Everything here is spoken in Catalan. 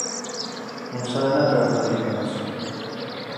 On s'ha d'anar per empadronar-se?